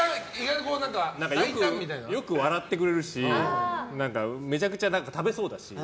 よく笑ってくれるしめちゃくちゃ食べそうだし。